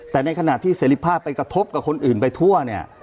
แต่ในขณะที่เสรีภาพไปกระทบกับคนอื่นไปทั่วเนี่ย